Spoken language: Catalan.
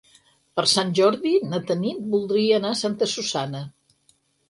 Per Sant Jordi na Tanit voldria anar a Santa Susanna.